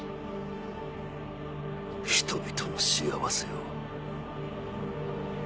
人々の幸せを。